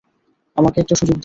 আমাকে একটা সুযোগ দাও।